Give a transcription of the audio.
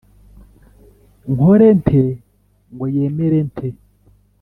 nkore nte ngo yemere’ nte’